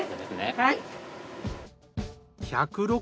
はい。